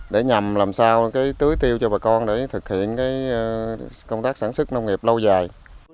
để nhằm làm sao cái tưới tiêu cho bà con để thực hiện công tác sản xuất nông nghiệp lâu dài